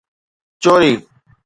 چوري